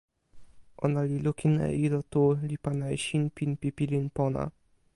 ona li lukin e ilo tu, li pana e sinpin pi pilin pona.